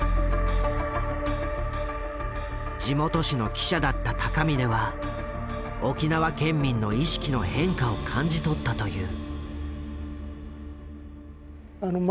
地元紙の記者だった高嶺は沖縄県民の意識の変化を感じ取ったという。